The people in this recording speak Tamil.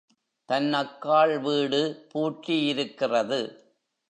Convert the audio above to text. தன் அக்காள் வீடு பூட்டியிருக்கிறது.